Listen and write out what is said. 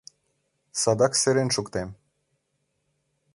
— Садак серен шуктем!